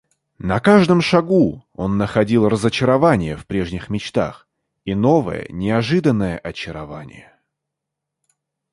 На каждом шагу он находил разочарование в прежних мечтах и новое неожиданное очарование.